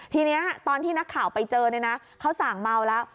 ทีนี้ตอนที่นักข่าวไปเจอเนี่ยนะเขาสั่งเมาแล้ว